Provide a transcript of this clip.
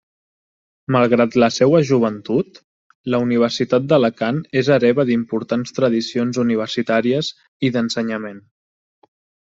Malgrat la seua joventut, la Universitat d’Alacant és hereva d’importants tradicions universitàries i d’ensenyament.